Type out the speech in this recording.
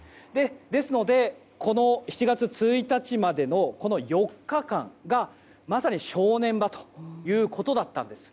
ですので、７月１日までのこの４日間がまさに正念場ということだったんです。